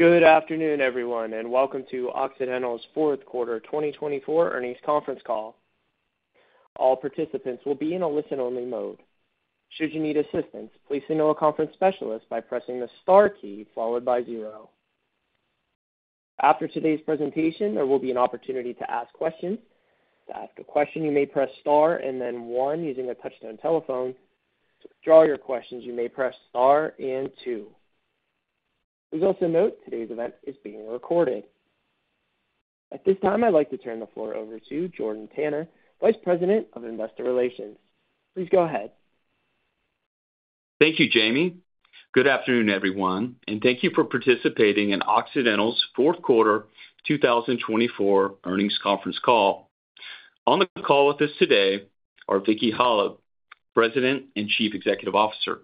Good afternoon, everyone, and welcome to Occidental's fourth quarter 2024 earnings conference call. All participants will be in a listen-only mode. Should you need assistance, please signal a conference specialist by pressing the star key followed by zero. After today's presentation, there will be an opportunity to ask questions. To ask a question, you may press star and then one using a touch-tone telephone. To withdraw your questions, you may press star and two. Please also note today's event is being recorded. At this time, I'd like to turn the floor over to Jordan Tanner, Vice President of Investor Relations. Please go ahead. Thank you, Jamie. Good afternoon, everyone, and thank you for participating in Occidental's fourth quarter 2024 earnings conference call. On the call with us today are Vicki Hollub, President and Chief Executive Officer,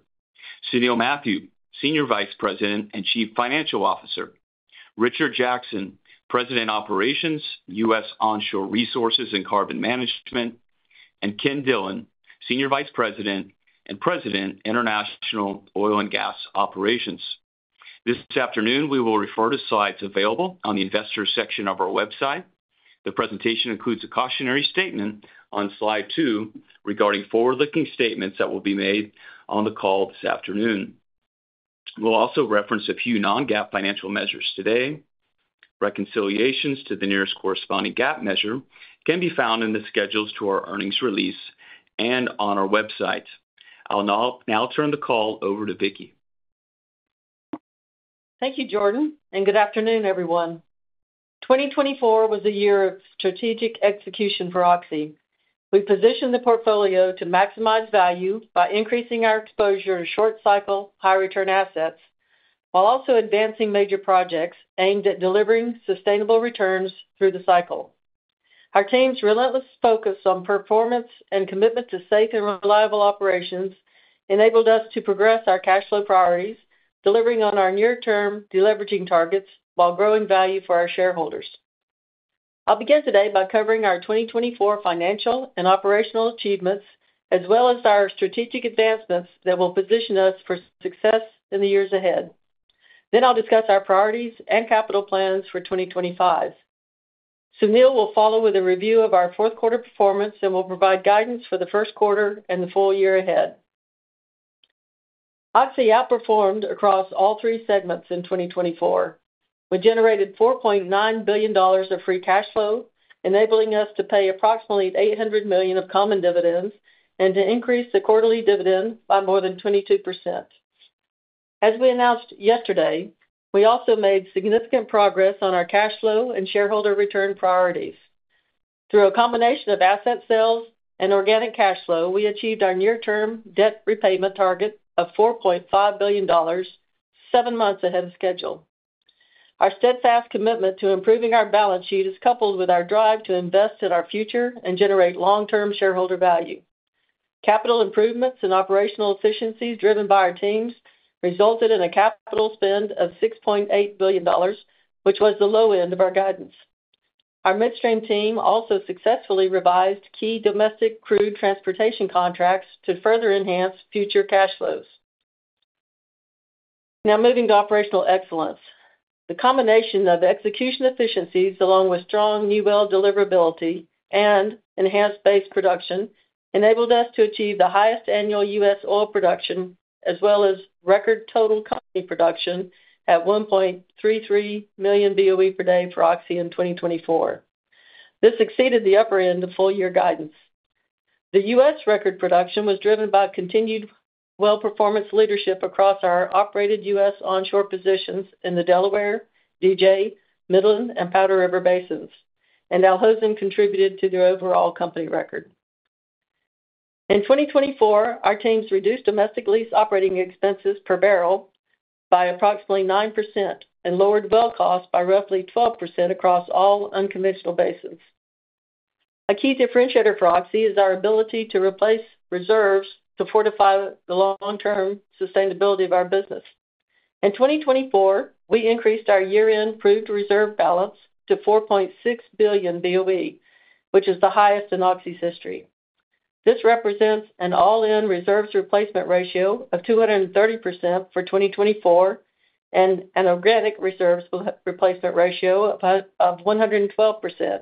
Sunil Mathew, Senior Vice President and Chief Financial Officer, Richard Jackson, President of Operations, U.S. Onshore Resources and Carbon Management, and Ken Dillon, Senior Vice President and President, International Oil and Gas Operations. This afternoon, we will refer to slides available on the Investor section of our website. The presentation includes a cautionary statement on slide two regarding forward-looking statements that will be made on the call this afternoon. We'll also reference a few non-GAAP financial measures today. Reconciliations to the nearest corresponding GAAP measure can be found in the schedules to our earnings release and on our website. I'll now turn the call over to Vicki. Thank you, Jordan, and good afternoon, everyone. 2024 was a year of strategic execution for Oxy. We positioned the portfolio to maximize value by increasing our exposure to short-cycle, high-return assets while also advancing major projects aimed at delivering sustainable returns through the cycle. Our team's relentless focus on performance and commitment to safe and reliable operations enabled us to progress our cash flow priorities, delivering on our near-term deleveraging targets while growing value for our shareholders. I'll begin today by covering our 2024 financial and operational achievements, as well as our strategic advancements that will position us for success in the years ahead. Then I'll discuss our priorities and capital plans for 2025. Sunil will follow with a review of our fourth quarter performance and will provide guidance for the first quarter and the full year ahead. Oxy outperformed across all three segments in 2024. We generated $4.9 billion of free cash flow, enabling us to pay approximately $800 million of common dividends and to increase the quarterly dividend by more than 22%. As we announced yesterday, we also made significant progress on our cash flow and shareholder return priorities. Through a combination of asset sales and organic cash flow, we achieved our near-term debt repayment target of $4.5 billion, seven months ahead of schedule. Our steadfast commitment to improving our balance sheet is coupled with our drive to invest in our future and generate long-term shareholder value. Capital improvements and operational efficiencies driven by our teams resulted in a capital spend of $6.8 billion, which was the low end of our guidance. Our midstream team also successfully revised key domestic crude transportation contracts to further enhance future cash flows. Now moving to operational excellence. The combination of execution efficiencies, along with strong new well deliverability and enhanced base production, enabled us to achieve the highest annual U.S. oil production, as well as record total company production at 1.33 million BOE per day for Oxy in 2024. This exceeded the upper end of full-year guidance. The U.S. record production was driven by continued well-performance leadership across our operated U.S. onshore positions in the Delaware, DJ, Midland, and Powder River basins, and Al Hosn contributed to the overall company record. In 2024, our teams reduced domestic lease operating expenses per barrel by approximately 9% and lowered well costs by roughly 12% across all unconventional basins. A key differentiator for Oxy is our ability to replace reserves to fortify the long-term sustainability of our business. In 2024, we increased our year-end proved reserve balance to 4.6 billion BOE, which is the highest in Oxy's history. This represents an all-in reserves replacement ratio of 230% for 2024 and an organic reserves replacement ratio of 112%,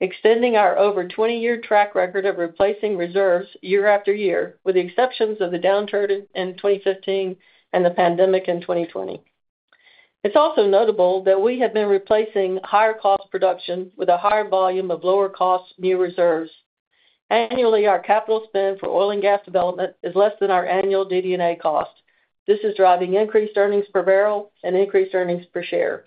extending our over 20-year track record of replacing reserves year after year, with the exceptions of the downturn in 2015 and the pandemic in 2020. It's also notable that we have been replacing higher cost production with a higher volume of lower cost new reserves. Annually, our capital spend for oil and gas development is less than our annual DD&A cost. This is driving increased earnings per barrel and increased earnings per share.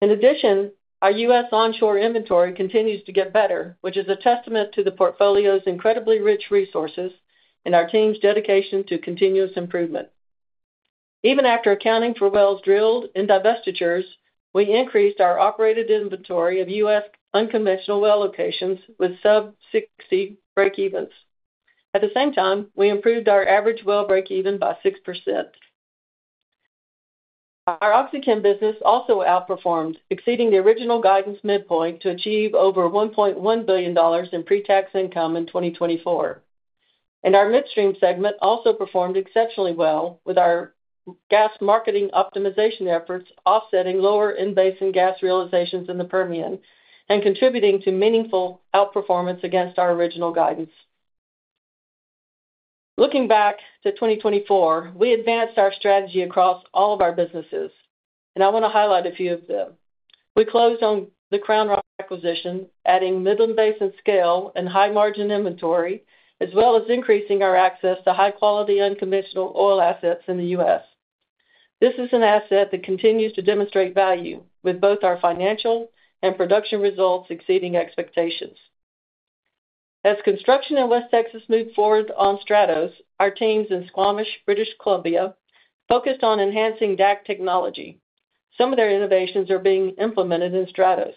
In addition, our U.S. onshore inventory continues to get better, which is a testament to the portfolio's incredibly rich resources and our team's dedication to continuous improvement. Even after accounting for wells drilled in divestitures, we increased our operated inventory of U.S. unconventional well locations with sub-60 breakevens. At the same time, we improved our average well breakeven by 6%. Our OxyChem business also outperformed, exceeding the original guidance midpoint to achieve over $1.1 billion in pre-tax income in 2024, and our midstream segment also performed exceptionally well, with our gas marketing optimization efforts offsetting lower in-basin gas realizations in the Permian and contributing to meaningful outperformance against our original guidance. Looking back to 2024, we advanced our strategy across all of our businesses, and I want to highlight a few of them. We closed on the Crown Rock acquisition, adding Midland Basin scale and high-margin inventory, as well as increasing our access to high-quality unconventional oil assets in the U.S. This is an asset that continues to demonstrate value, with both our financial and production results exceeding expectations. As construction in West Texas moved forward on STRATOS, our teams in Squamish, British Columbia, focused on enhancing DAC technology. Some of their innovations are being implemented in STRATOS.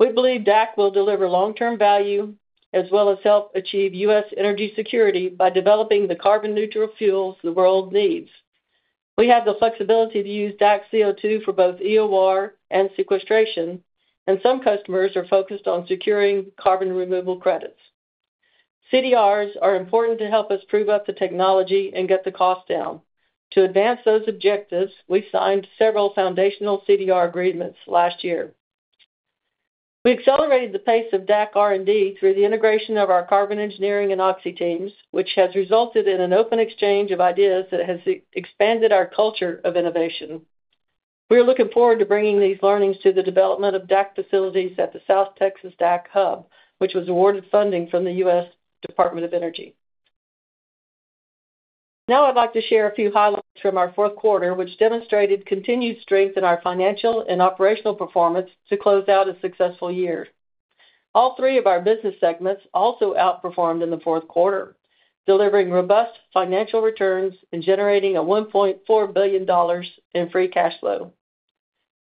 We believe DAC will deliver long-term value, as well as help achieve U.S. energy security by developing the carbon-neutral fuels the world needs. We have the flexibility to use DAC CO2 for both EOR and sequestration, and some customers are focused on securing carbon removal credits. CDRs are important to help us prove up the technology and get the cost down. To advance those objectives, we signed several foundational CDR agreements last year. We accelerated the pace of DAC R&D through the integration of our Carbon Engineering and Oxy teams, which has resulted in an open exchange of ideas that has expanded our culture of innovation. We are looking forward to bringing these learnings to the development of DAC facilities at the South Texas DAC Hub, which was awarded funding from the U.S. Department of Energy. Now I'd like to share a few highlights from our fourth quarter, which demonstrated continued strength in our financial and operational performance to close out a successful year. All three of our business segments also outperformed in the fourth quarter, delivering robust financial returns and generating $1.4 billion in free cash flow.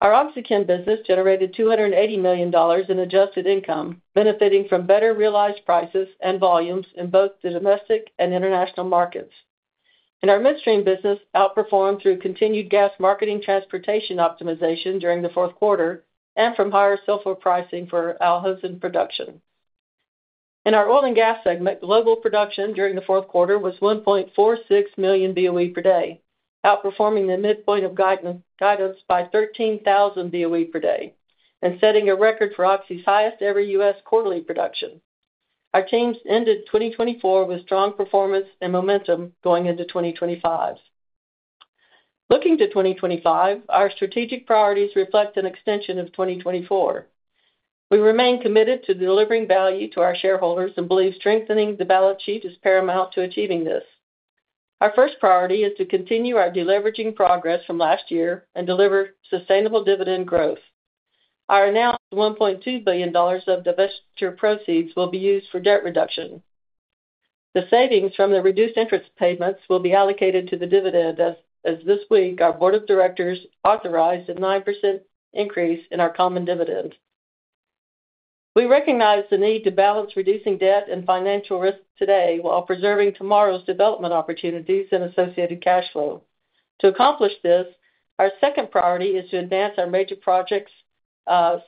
Our OxyChem business generated $280 million in adjusted income, benefiting from better realized prices and volumes in both the domestic and international markets. And our midstream business outperformed through continued gas marketing transportation optimization during the fourth quarter and from higher sulfur pricing for Al Hosn production. In our oil and gas segment, global production during the fourth quarter was 1.46 million BOE per day, outperforming the midpoint of guidance by 13,000 BOE per day and setting a record for Oxy's highest ever U.S. quarterly production. Our teams ended 2024 with strong performance and momentum going into 2025. Looking to 2025, our strategic priorities reflect an extension of 2024. We remain committed to delivering value to our shareholders and believe strengthening the balance sheet is paramount to achieving this. Our first priority is to continue our deleveraging progress from last year and deliver sustainable dividend growth. Our announced $1.2 billion of divestiture proceeds will be used for debt reduction. The savings from the reduced interest payments will be allocated to the dividend, as this week our board of directors authorized a 9% increase in our common dividend. We recognize the need to balance reducing debt and financial risk today while preserving tomorrow's development opportunities and associated cash flow. To accomplish this, our second priority is to advance our major projects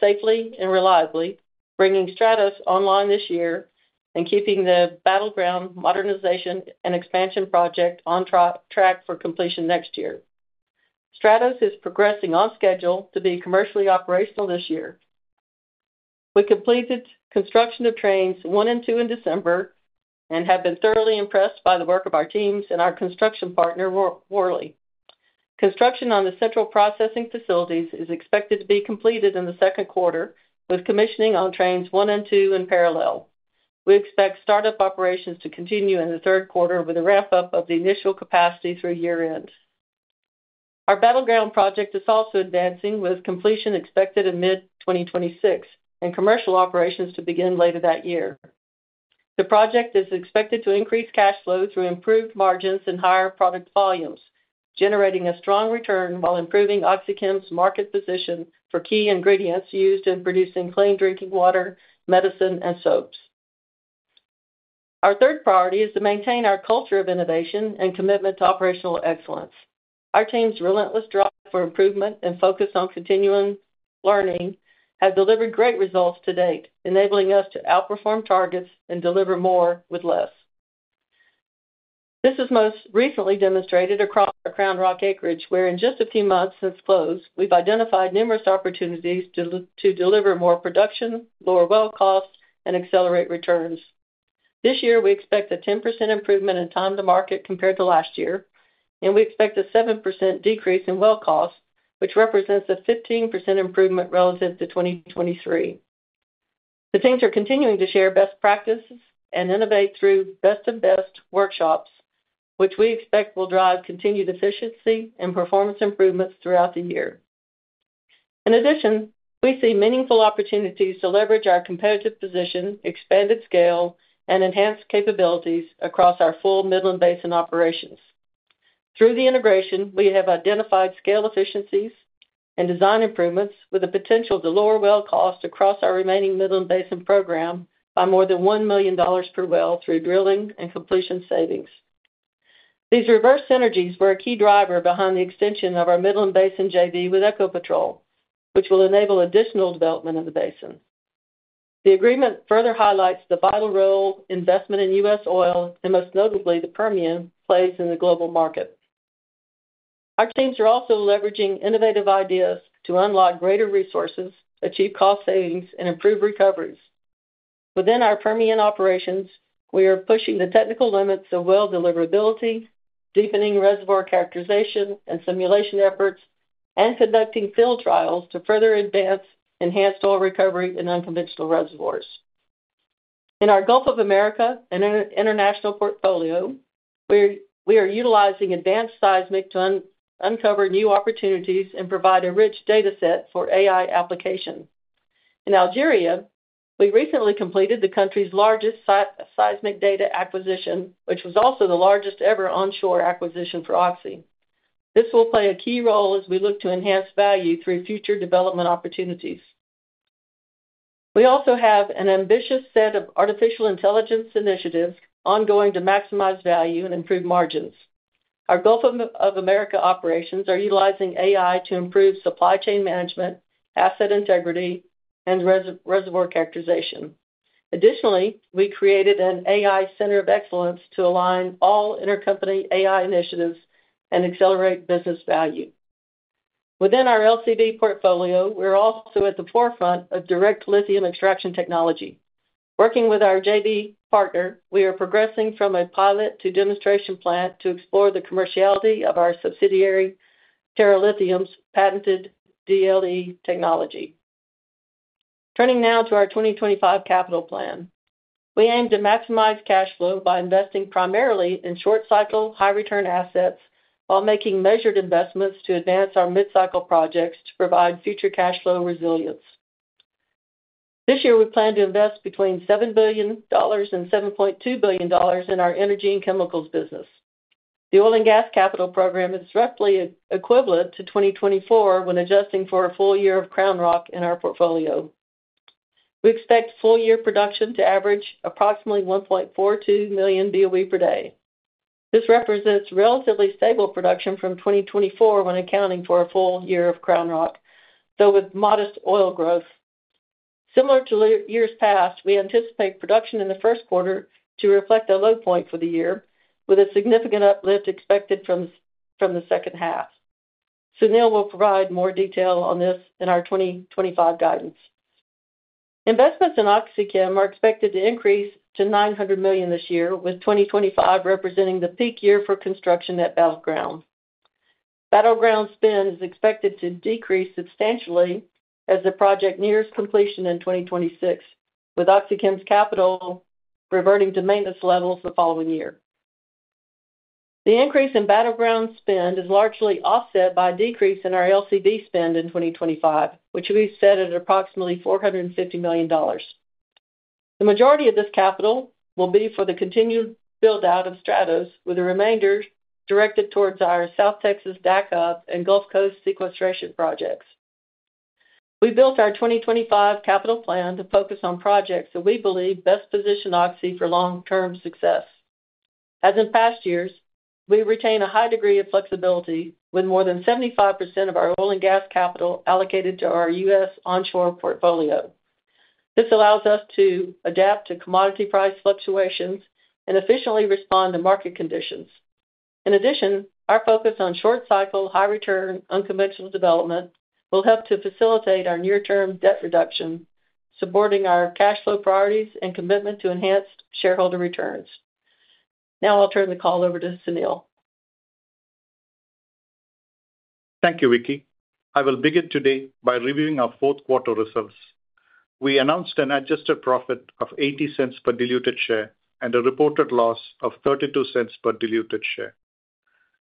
safely and reliably, bringing STRATOS online this year and keeping the Battleground modernization and expansion project on track for completion next year. STRATOS is progressing on schedule to be commercially operational this year. We completed construction of trains one and two in December and have been thoroughly impressed by the work of our teams and our construction partner, Worley. Construction on the central processing facilities is expected to be completed in the second quarter, with commissioning on trains one and two in parallel. We expect startup operations to continue in the third quarter with a wrap-up of the initial capacity through year-end. Our Battleground project is also advancing, with completion expected in mid-2026 and commercial operations to begin later that year. The project is expected to increase cash flow through improved margins and higher product volumes, generating a strong return while improving OxyChem's market position for key ingredients used in producing clean drinking water, medicine, and soaps. Our third priority is to maintain our culture of innovation and commitment to operational excellence. Our team's relentless drive for improvement and focus on continuous learning have delivered great results to date, enabling us to outperform targets and deliver more with less. This is most recently demonstrated across our Crown Rock acreage, where in just a few months since close, we've identified numerous opportunities to deliver more production, lower well costs, and accelerate returns. This year, we expect a 10% improvement in time to market compared to last year, and we expect a 7% decrease in well costs, which represents a 15% improvement relative to 2023. The teams are continuing to share best practices and innovate through best-of-best workshops, which we expect will drive continued efficiency and performance improvements throughout the year. In addition, we see meaningful opportunities to leverage our competitive position, expanded scale, and enhanced capabilities across our full Midland Basin operations. Through the integration, we have identified scale efficiencies and design improvements with the potential to lower well costs across our remaining Midland Basin program by more than $1 million per well through drilling and completion savings. These reverse synergies were a key driver behind the extension of our Midland Basin JV with Ecopetrol, which will enable additional development of the basin. The agreement further highlights the vital role investment in U.S. oil, and most notably the Permian, plays in the global market. Our teams are also leveraging innovative ideas to unlock greater resources, achieve cost savings, and improve recoveries. Within our Permian operations, we are pushing the technical limits of well deliverability, deepening reservoir characterization and simulation efforts, and conducting field trials to further advance enhanced oil recovery in unconventional reservoirs. In our Gulf of America and international portfolio, we are utilizing advanced seismic to uncover new opportunities and provide a rich data set for AI application. In Algeria, we recently completed the country's largest seismic data acquisition, which was also the largest ever onshore acquisition for Oxy. This will play a key role as we look to enhance value through future development opportunities. We also have an ambitious set of artificial intelligence initiatives ongoing to maximize value and improve margins. Our Gulf of America operations are utilizing AI to improve supply chain management, asset integrity, and reservoir characterization. Additionally, we created an AI center of excellence to align all intercompany AI initiatives and accelerate business value. Within our LCV portfolio, we're also at the forefront of direct lithium extraction technology. Working with our JV partner, we are progressing from a pilot to demonstration plant to explore the commerciality of our subsidiary Terra Lithium's patented DLE technology. Turning now to our 2025 capital plan, we aim to maximize cash flow by investing primarily in short-cycle, high-return assets while making measured investments to advance our midcycle projects to provide future cash flow resilience. This year, we plan to invest between $7 billion and $7.2 billion in our energy and chemicals business. The oil and gas capital program is roughly equivalent to 2024 when adjusting for a full year of Crown Rock in our portfolio. We expect full year production to average approximately 1.42 million BOE per day. This represents relatively stable production from 2024 when accounting for a full year of Crown Rock, though with modest oil growth. Similar to years past, we anticipate production in the first quarter to reflect a low point for the year, with a significant uplift expected from the second half. Sunil will provide more detail on this in our 2025 guidance. Investments in OxyChem are expected to increase to $900 million this year, with 2025 representing the peak year for construction at Battleground. Battleground spend is expected to decrease substantially as the project nears completion in 2026, with OxyChem's capital reverting to maintenance levels the following year. The increase in Battleground spend is largely offset by a decrease in our LCV spend in 2025, which we set at approximately $450 million. The majority of this capital will be for the continued build-out of STRATOS, with the remainder directed towards our South Texas DAC Hub and Gulf Coast sequestration projects. We built our 2025 capital plan to focus on projects that we believe best position Oxy for long-term success. As in past years, we retain a high degree of flexibility, with more than 75% of our oil and gas capital allocated to our U.S. onshore portfolio. This allows us to adapt to commodity price fluctuations and efficiently respond to market conditions. In addition, our focus on short-cycle, high-return, unconventional development will help to facilitate our near-term debt reduction, supporting our cash flow priorities and commitment to enhanced shareholder returns. Now I'll turn the call over to Sunil. Thank you, Vicki. I will begin today by reviewing our fourth quarter results. We announced an adjusted profit of $0.80 per diluted share and a reported loss of $0.32 per diluted share.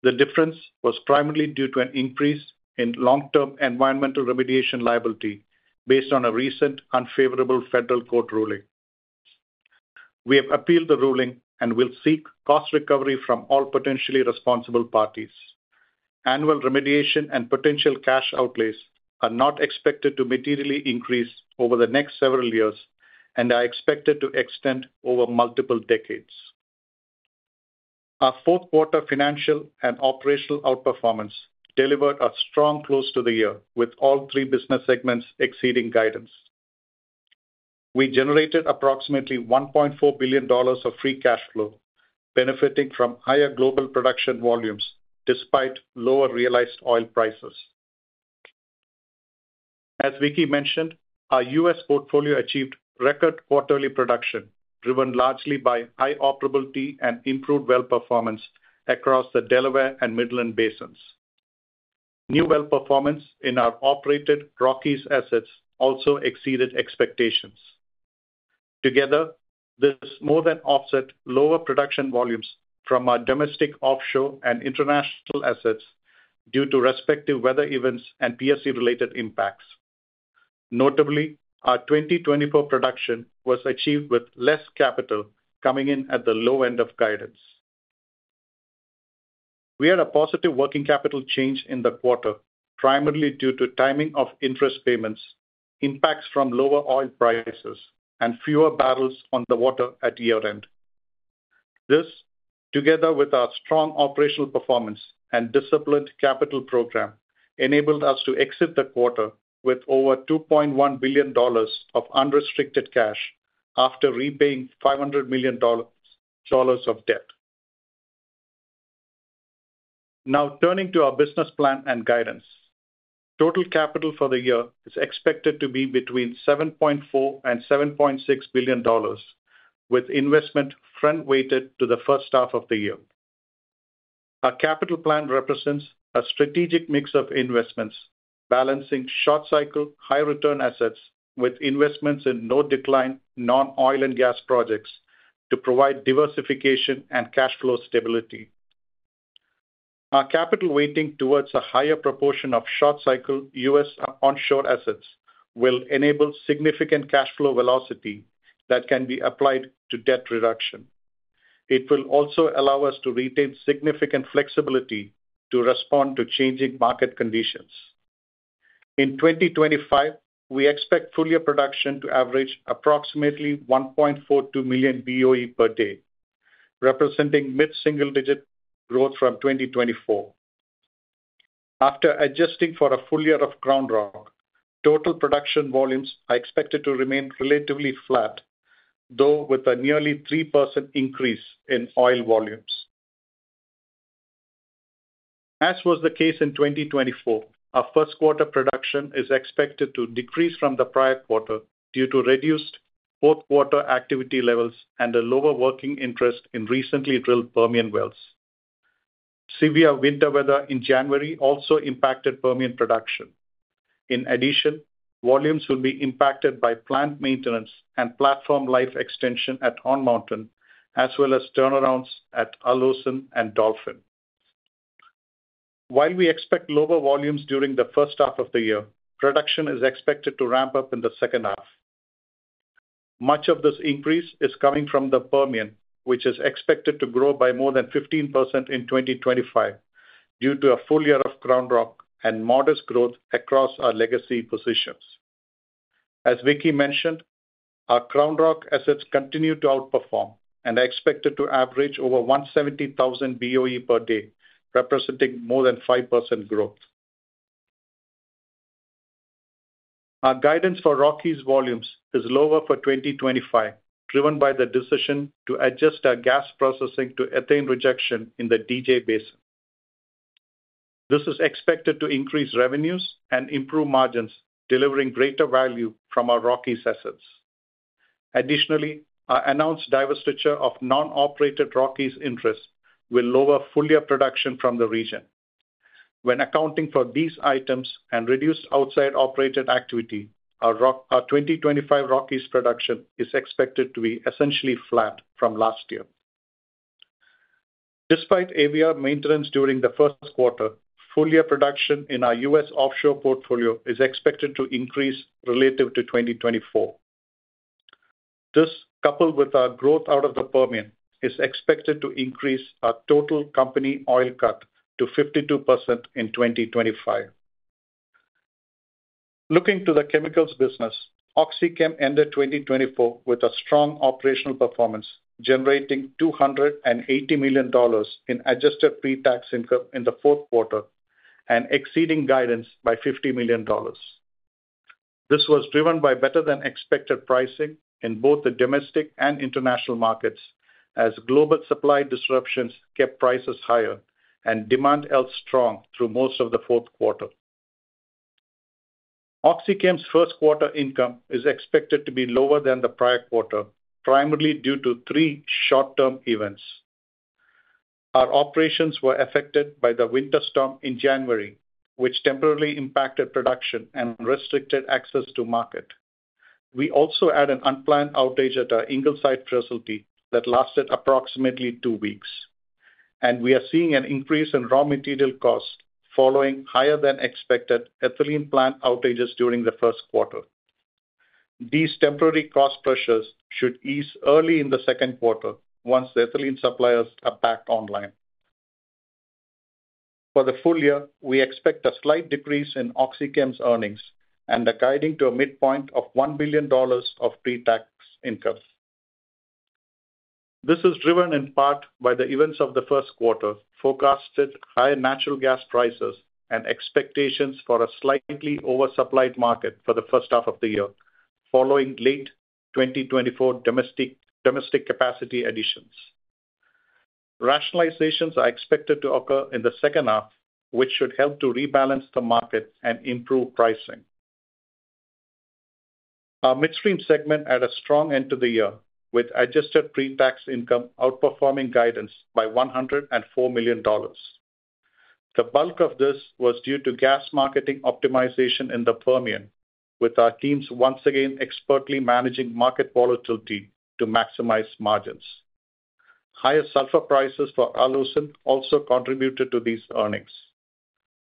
The difference was primarily due to an increase in long-term environmental remediation liability based on a recent unfavorable federal court ruling. We have appealed the ruling and will seek cost recovery from all potentially responsible parties. Annual remediation and potential cash outlays are not expected to materially increase over the next several years and are expected to extend over multiple decades. Our fourth quarter financial and operational outperformance delivered a strong close to the year, with all three business segments exceeding guidance. We generated approximately $1.4 billion of free cash flow, benefiting from higher global production volumes despite lower realized oil prices. As Vicki mentioned, our U.S. Portfolio achieved record quarterly production, driven largely by high operability and improved well performance across the Delaware and Midland Basins. New well performance in our operated Rockies assets also exceeded expectations. Together, this more than offset lower production volumes from our domestic offshore and international assets due to respective weather events and PSC-related impacts. Notably, our 2024 production was achieved with less capital coming in at the low end of guidance. We had a positive working capital change in the quarter, primarily due to timing of interest payments, impacts from lower oil prices, and fewer barrels on the water at year-end. This, together with our strong operational performance and disciplined capital program, enabled us to exit the quarter with over $2.1 billion of unrestricted cash after repaying $500 million of debt. Now turning to our business plan and guidance, total capital for the year is expected to be between $7.4 billionsand $7.6 billion, with investment front-weighted to the first half of the year. Our capital plan represents a strategic mix of investments, balancing short-cycle, high-return assets with investments in no-decline non-oil and gas projects to provide diversification and cash flow stability. Our capital weighting towards a higher proportion of short-cycle U.S. onshore assets will enable significant cash flow velocity that can be applied to debt reduction. It will also allow us to retain significant flexibility to respond to changing market conditions. In 2025, we expect full year production to average approximately 1.42 million BOE per day, representing mid-single-digit growth from 2024. After adjusting for a full year of Crown Rock, total production volumes are expected to remain relatively flat, though with a nearly 3% increase in oil volumes. As was the case in 2024, our first quarter production is expected to decrease from the prior quarter due to reduced fourth quarter activity levels and a lower working interest in recently drilled Permian wells. Severe winter weather in January also impacted Permian production. In addition, volumes will be impacted by plant maintenance and platform life extension at Horn Mountain, as well as turnarounds at Al Hosn and Dolphin. While we expect lower volumes during the first half of the year, production is expected to ramp up in the second half. Much of this increase is coming from the Permian, which is expected to grow by more than 15% in 2025 due to a full year of Crown Rock and modest growth across our legacy positions. As Vicki mentioned, our Crown Rock assets continue to outperform and are expected to average over 170,000 BOE per day, representing more than 5% growth. Our guidance for Rockies volumes is lower for 2025, driven by the decision to adjust our gas processing to ethane rejection in the DJ Basin. This is expected to increase revenues and improve margins, delivering greater value from our Rockies assets. Additionally, our announced divestiture of non-operated Rockies interests will lower full year production from the region. When accounting for these items and reduced outside operated activity, our 2025 Rockies production is expected to be essentially flat from last year. Despite AVR maintenance during the first quarter, full year production in our U.S. offshore portfolio is expected to increase relative to 2024. This, coupled with our growth out of the Permian, is expected to increase our total company oil cut to 52% in 2025. Looking to the chemicals business, OxyChem ended 2024 with a strong operational performance, generating $280 million in adjusted pre-tax income in the fourth quarter and exceeding guidance by $50 million. This was driven by better-than-expected pricing in both the domestic and international markets, as global supply disruptions kept prices higher and demand held strong through most of the fourth quarter. OxyChem's first quarter income is expected to be lower than the prior quarter, primarily due to three short-term events. Our operations were affected by the winter storm in January, which temporarily impacted production and restricted access to market. We also had an unplanned outage at our Ingleside facility that lasted approximately two weeks, and we are seeing an increase in raw material costs following higher-than-expected ethylene plant outages during the first quarter. These temporary cost pressures should ease early in the second quarter once the ethylene suppliers are back online. For the full year, we expect a slight decrease in OxyChem's earnings and a guiding to a midpoint of $1 billion of pre-tax income. This is driven in part by the events of the first quarter, forecasted higher natural gas prices, and expectations for a slightly oversupplied market for the first half of the year following late 2024 domestic capacity additions. Rationalizations are expected to occur in the second half, which should help to rebalance the market and improve pricing. Our midstream segment had a strong end to the year with adjusted pre-tax income outperforming guidance by $104 million. The bulk of this was due to gas marketing optimization in the Permian, with our teams once again expertly managing market volatility to maximize margins. Higher sulfur prices for Al Hosn also contributed to these earnings.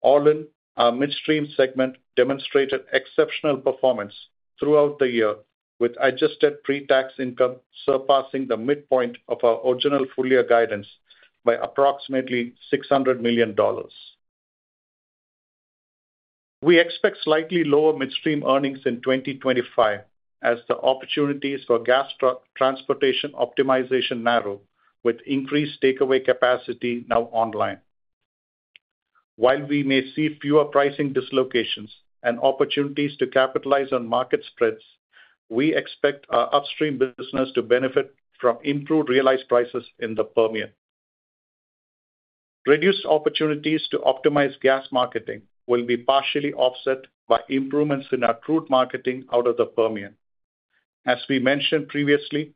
All in, our midstream segment demonstrated exceptional performance throughout the year, with adjusted pre-tax income surpassing the midpoint of our original full year guidance by approximately $600 million. We expect slightly lower midstream earnings in 2025, as the opportunities for gas transportation optimization narrow with increased takeaway capacity now online. While we may see fewer pricing dislocations and opportunities to capitalize on market spreads, we expect our upstream business to benefit from improved realized prices in the Permian. Reduced opportunities to optimize gas marketing will be partially offset by improvements in our crude marketing out of the Permian. As we mentioned previously,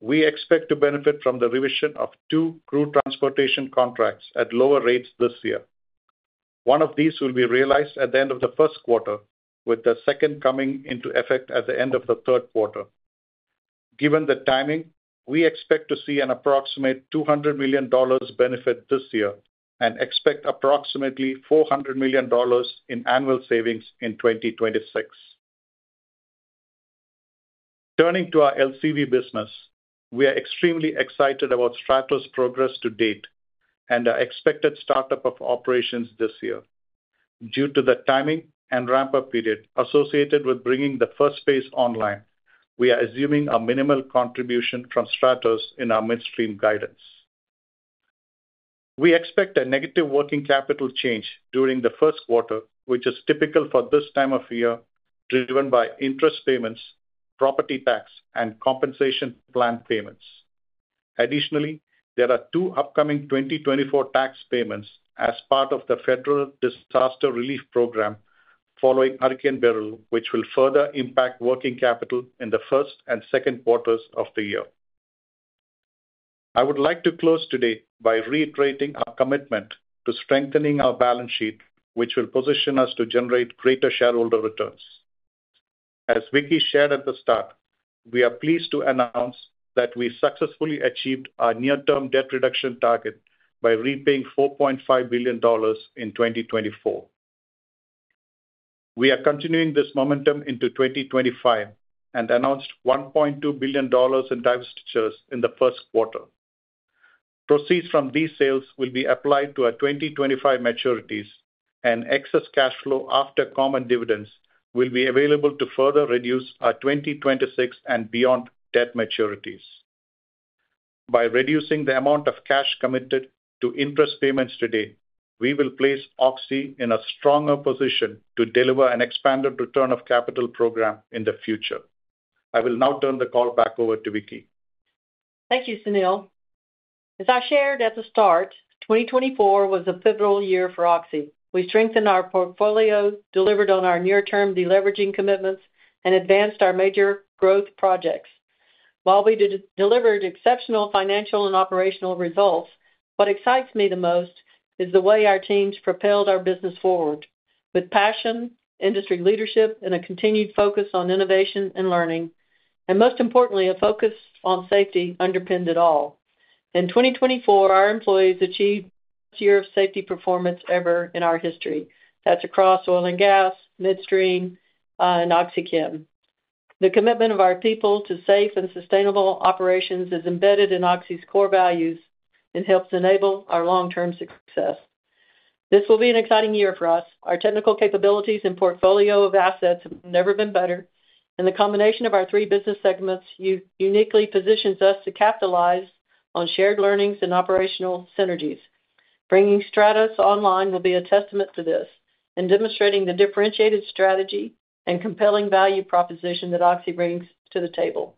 we expect to benefit from the revision of two crude transportation contracts at lower rates this year. One of these will be realized at the end of the first quarter, with the second coming into effect at the end of the third quarter. Given the timing, we expect to see an approximate $200 million benefit this year and expect approximately $400 million in annual savings in 2026. Turning to our LCV business, we are extremely excited about STRATOS' progress to date and our expected startup of operations this year. Due to the timing and ramp-up period associated with bringing the first phase online, we are assuming a minimal contribution from STRATOS in our midstream guidance. We expect a negative working capital change during the first quarter, which is typical for this time of year, driven by interest payments, property tax, and compensation plan payments. Additionally, there are two upcoming 2024 tax payments as part of the Federal Disaster Relief Program following Hurricane Beryl, which will further impact working capital in the first and second quarters of the year. I would like to close today by reiterating our commitment to strengthening our balance sheet, which will position us to generate greater shareholder returns. As Vicki shared at the start, we are pleased to announce that we successfully achieved our near-term debt reduction target by repaying $4.5 billion in 2024. We are continuing this momentum into 2025 and announced $1.2 billion in divestitures in the first quarter. Proceeds from these sales will be applied to our 2025 maturities, and excess cash flow after common dividends will be available to further reduce our 2026 and beyond debt maturities. By reducing the amount of cash committed to interest payments today, we will place Oxy in a stronger position to deliver an expanded return of capital program in the future. I will now turn the call back over to Vicki. Thank you, Sunil. As I shared at the start, 2024 was a pivotal year for Oxy. We strengthened our portfolio, delivered on our near-term deleveraging commitments, and advanced our major growth projects. While we delivered exceptional financial and operational results, what excites me the most is the way our teams propelled our business forward with passion, industry leadership, and a continued focus on innovation and learning, and most importantly, a focus on safety underpinned it all. In 2024, our employees achieved the best year of safety performance ever in our history. That's across oil and gas, midstream, and OxyChem. The commitment of our people to safe and sustainable operations is embedded in Oxy's core values and helps enable our long-term success. This will be an exciting year for us. Our technical capabilities and portfolio of assets have never been better, and the combination of our three business segments uniquely positions us to capitalize on shared learnings and operational synergies. Bringing STRATOS online will be a testament to this and demonstrating the differentiated strategy and compelling value proposition that Oxy brings to the table.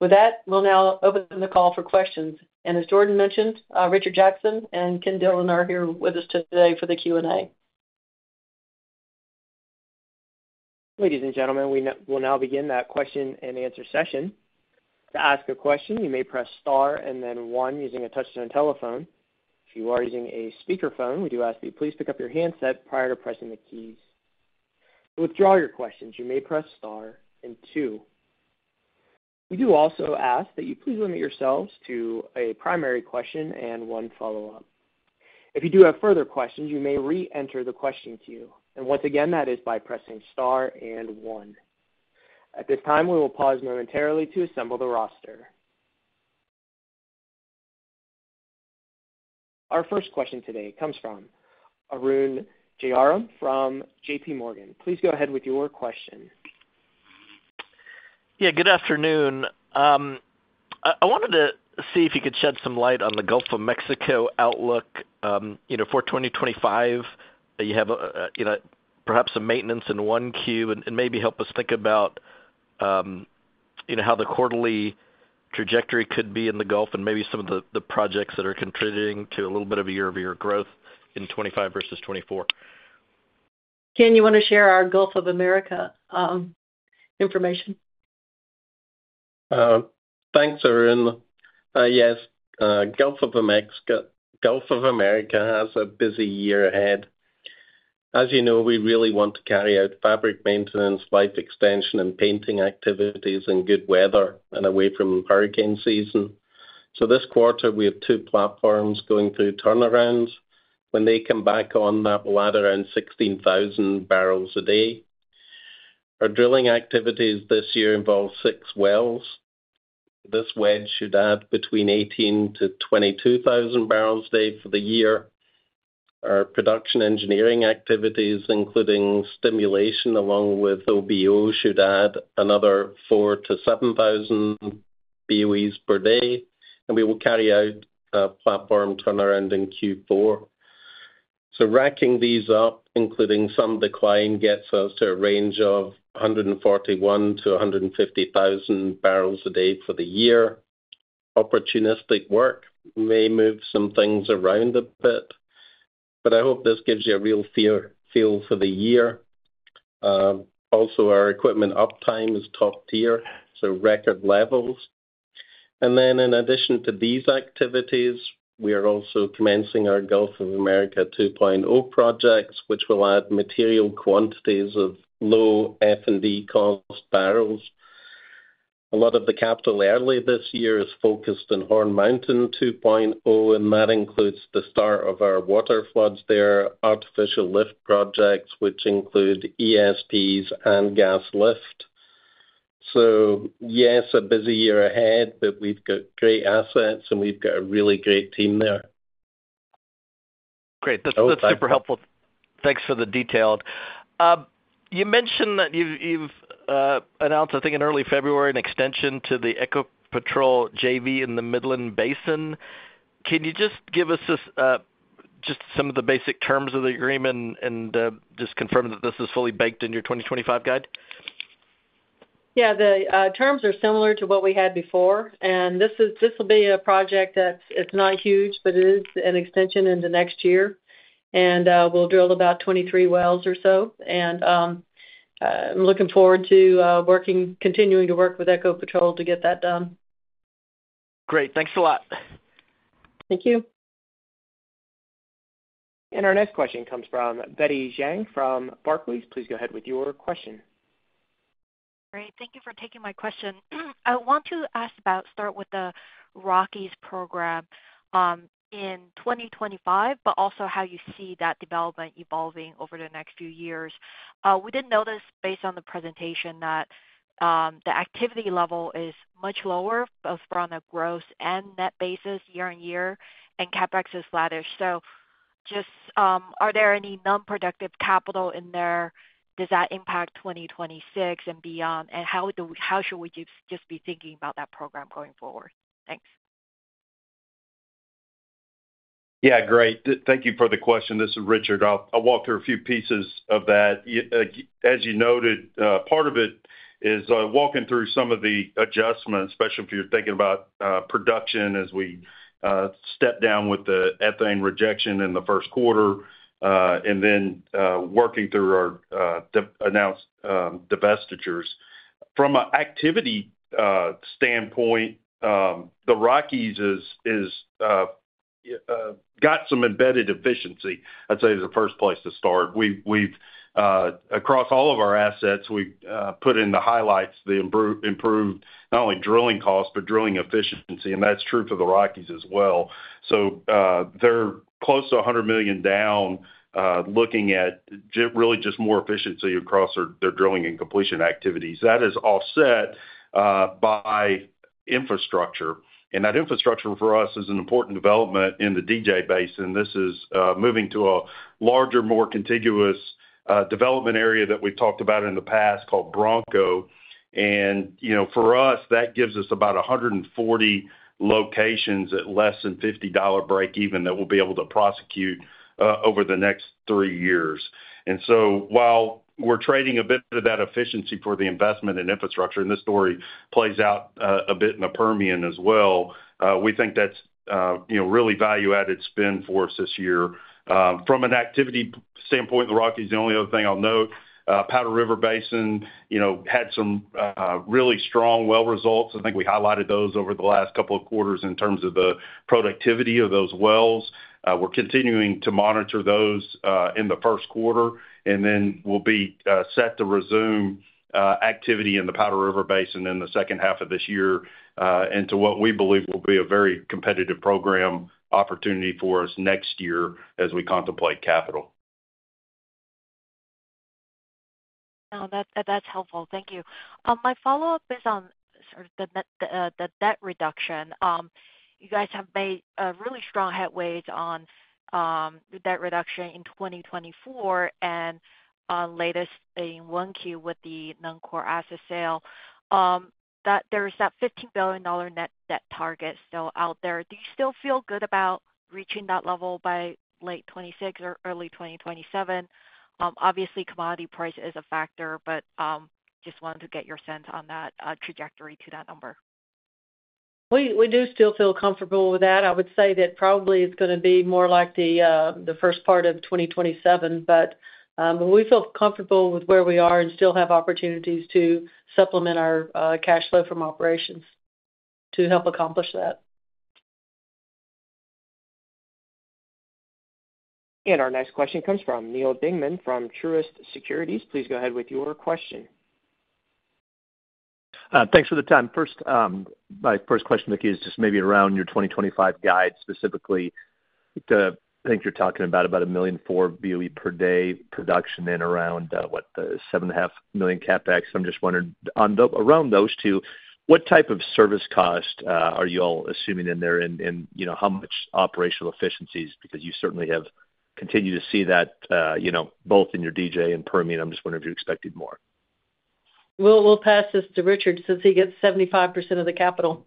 With that, we'll now open the call for questions, and as Jordan mentioned, Richard Jackson and Ken Dillon are here with us today for the Q&A. Ladies and gentlemen, we will now begin that question and answer session. To ask a question, you may press star and then one using a touch-tone telephone. If you are using a speakerphone, we do ask that you please pick up your handset prior to pressing the keys. To withdraw your questions, you may press star and two. We do also ask that you please limit yourselves to a primary question and one follow-up. If you do have further questions, you may re-enter the question queue. And once again, that is by pressing star and one. At this time, we will pause momentarily to assemble the roster. Our first question today comes from Arun Jayaram from JPMorgan. Please go ahead with your question. Yeah, good afternoon. I wanted to see if you could shed some light on the Gulf of Mexico outlook for 2025. You have perhaps some maintenance in 1Q and maybe help us think about how the quarterly trajectory could be in the Gulf and maybe some of the projects that are contributing to a little bit of a year-over-year growth in 2025 versus 2024. Ken, you want to share our Gulf of America information? Thanks, Arun. Yes, Gulf of America has a busy year ahead. As you know, we really want to carry out fabric maintenance, life extension, and painting activities in good weather and away from hurricane season. So this quarter, we have two platforms going through turnarounds. When they come back on, that will add around 16,000 barrels a day. Our drilling activities this year involve six wells. This wedge should add between 18,000 to 22,000 barrels a day for the year. Our production engineering activities, including stimulation along with OBO, should add another 4,000 to 7,000 BOEs per day. And we will carry out a platform turnaround in Q4. So racking these up, including some decline, gets us to a range of 141,000 to 150,000 barrels a day for the year. Opportunistic work may move some things around a bit, but I hope this gives you a real feel for the year. Also, our equipment uptime is top tier, so record levels. And then, in addition to these activities, we are also commencing our Gulf of America 2.0 projects, which will add material quantities of low F&D cost barrels. A lot of the capital early this year is focused in Horn Mountain 2.0, and that includes the start of our water floods there, artificial lift projects, which include ESPs and gas lift. So yes, a busy year ahead, but we've got great assets and we've got a really great team there. Great. That's super helpful. Thanks for the detail. You mentioned that you've announced, I think, in early February, an extension to the Ecopetrol JV in the Midland Basin. Can you just give us just some of the basic terms of the agreement and just confirm that this is fully baked in your 2025 guide? Yeah, the terms are similar to what we had before. And this will be a project that's not huge, but it is an extension into next year. And we'll drill about 23 wells or so. And I'm looking forward to continuing to work with Ecopetrol to get that done. Great. Thanks a lot. Thank you. And our next question comes from Betty Jiang from Barclays. Please go ahead with your question. Great. Thank you for taking my question. I want to start with the Rockies program in 2025, but also how you see that development evolving over the next few years. We did notice, based on the presentation, that the activity level is much lower both from a gross and net basis year on year, and CapEx is flatish. So just, are there any non-productive capital in there? Does that impact 2026 and beyond? And how should we just be thinking about that program going forward? Thanks. Yeah, great. Thank you for the question. This is Richard. I'll walk through a few pieces of that. As you noted, part of it is walking through some of the adjustments, especially if you're thinking about production as we step down with the ethane rejection in the first quarter and then working through our announced divestitures. From an activity standpoint, the Rockies got some embedded efficiency. I'd say it's the first place to start. Across all of our assets, we put in the highlights, the improved not only drilling costs, but drilling efficiency. And that's true for the Rockies as well. So they're close to $100 million down, looking at really just more efficiency across their drilling and completion activities. That is offset by infrastructure. That infrastructure for us is an important development in the DJ Basin. This is moving to a larger, more contiguous development area that we've talked about in the past called Bronco. For us, that gives us about 140 locations at less than $50 break-even that we'll be able to prosecute over the next three years. So while we're trading a bit of that efficiency for the investment and infrastructure, and this story plays out a bit in the Permian as well, we think that's really value-added spend for us this year. From an activity standpoint, the Rockies, the only other thing I'll note, Powder River Basin had some really strong well results. I think we highlighted those over the last couple of quarters in terms of the productivity of those wells. We're continuing to monitor those in the first quarter. And then we'll be set to resume activity in the Powder River Basin in the second half of this year into what we believe will be a very competitive program opportunity for us next year as we contemplate capital. No, that's helpful. Thank you. My follow-up is on sort of the debt reduction. You guys have made really strong headway on debt reduction in 2024 and latest in 1Q with the non-core asset sale. There's that $15 billion net debt target still out there. Do you still feel good about reaching that level by late 2026 or early 2027? Obviously, commodity price is a factor, but just wanted to get your sense on that trajectory to that number. We do still feel comfortable with that. I would say that probably it's going to be more like the first part of 2027, but we feel comfortable with where we are and still have opportunities to supplement our cash flow from operations to help accomplish that. Our next question comes from Neal Dingmann from Truist Securities. Please go ahead with your question. Thanks for the time. My first question, Vicki, is just maybe around your 2025 guide specifically. I think you're talking about 1.4 million BOE per day production and around what, the $7.5 million CapEx. I'm just wondering, around those two, what type of service cost are you all assuming in there and how much operational efficiencies? Because you certainly have continued to see that both in your DJ and Permian. I'm just wondering if you expected more. We'll pass this to Richard since he gets 75% of the capital.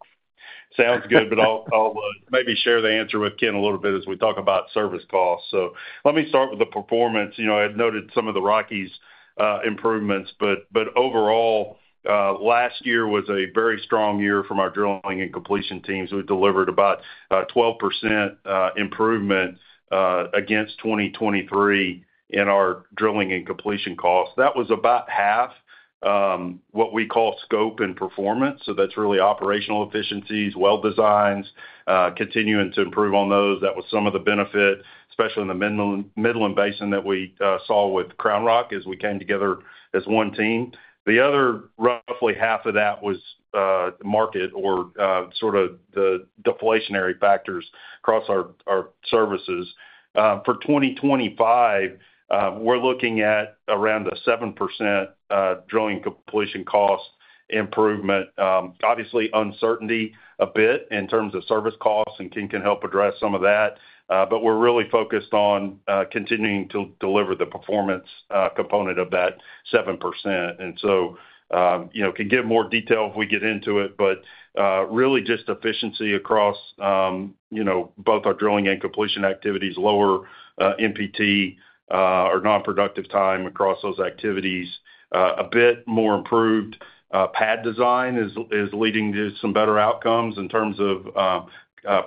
Sounds good, but I'll maybe share the answer with Ken a little bit as we talk about service costs. So let me start with the performance. I had noted some of the Rockies' improvements, but overall, last year was a very strong year from our drilling and completion teams. We delivered about 12% improvement against 2023 in our drilling and completion costs. That was about half what we call scope and performance. So that's really operational efficiencies, well designs, continuing to improve on those. That was some of the benefit, especially in the Midland Basin that we saw with Crown Rock as we came together as one team. The other roughly half of that was market or sort of the deflationary factors across our services. For 2025, we're looking at around a 7% drilling completion cost improvement. Obviously, uncertainty a bit in terms of service costs, and Ken can help address some of that. But we're really focused on continuing to deliver the performance component of that 7%. And so can give more detail if we get into it, but really just efficiency across both our drilling and completion activities, lower NPT or non-productive time across those activities, a bit more improved pad design is leading to some better outcomes in terms of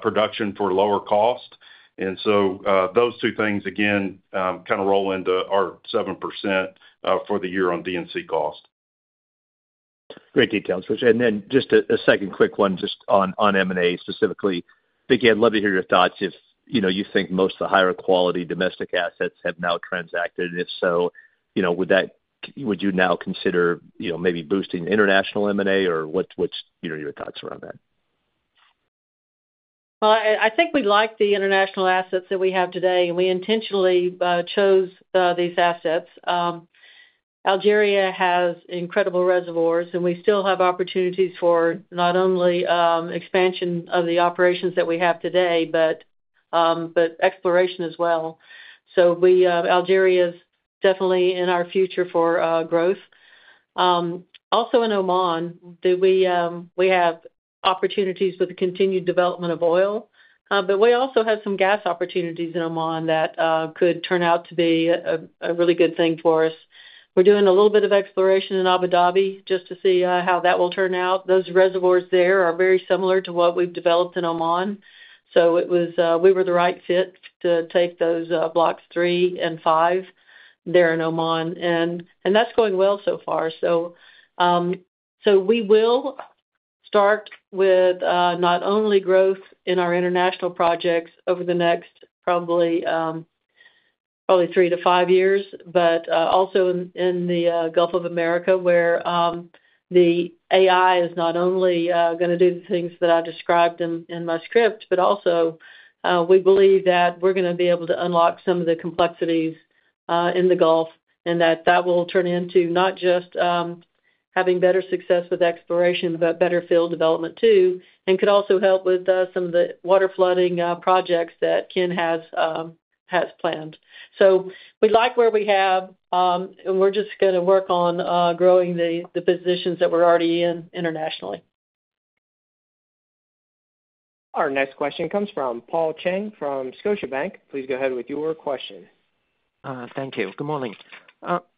production for lower cost. And so those two things, again, kind of roll into our 7% for the year on D&C cost. Great details. And then just a second quick one just on M&A specifically. Vicki, I'd love to hear your thoughts. If you think most of the higher quality domestic assets have now transacted, and if so, would you now consider maybe boosting international M&A or what's your thoughts around that? I think we like the international assets that we have today, and we intentionally chose these assets. Algeria has incredible reservoirs, and we still have opportunities for not only expansion of the operations that we have today, but exploration as well. So Algeria is definitely in our future for growth. Also in Oman, we have opportunities with the continued development of oil, but we also have some gas opportunities in Oman that could turn out to be a really good thing for us. We're doing a little bit of exploration in Abu Dhabi just to see how that will turn out. Those reservoirs there are very similar to what we've developed in Oman. So we were the right fit to take those blocks three and five there in Oman. That's going well so far. So we will start with not only growth in our international projects over the next probably three to five years, but also in the Gulf of America where the AI is not only going to do the things that I described in my script, but also we believe that we're going to be able to unlock some of the complexities in the Gulf and that that will turn into not just having better success with exploration, but better field development too, and could also help with some of the water flooding projects that Ken has planned. So we like where we have, and we're just going to work on growing the positions that we're already in internationally. Our next question comes from Paul Cheng from Scotiabank. Please go ahead with your question. Thank you. Good morning.